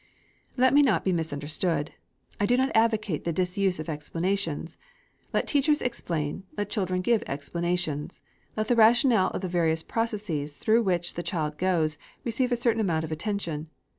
Let me not be misunderstood. I do not advocate the disuse of explanations. Let teachers explain, let children give explanations. Let the rationale of the various processes through which the child goes, receive a certain amount of attention.